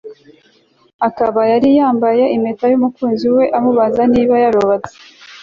akaba yari yambaye impeta y'umukunzi we amubaza niba yarubatse